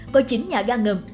có chín nhà ga ngầm